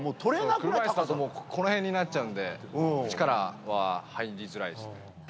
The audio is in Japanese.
車いすだとこの辺になっちゃうので、力は入りづらいですね。